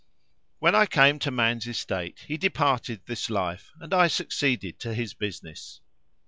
When I came to man's estate he departed this life and I succeeded to his business.